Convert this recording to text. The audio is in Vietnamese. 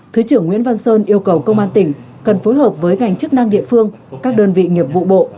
thứ trưởng nguyễn văn sơn yêu cầu công an tỉnh cần phối hợp với ngành chức năng địa phương các đơn vị nghiệp vụ bộ